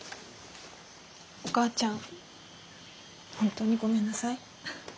お母ちゃん本当にごめんなさい。